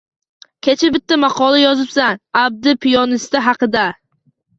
Kecha bitta maqola yozibsan, Abdi piyonista haqida